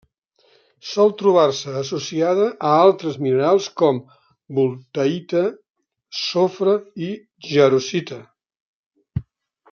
Sol trobar-se associada a altres minerals com: voltaïta, sofre i jarosita.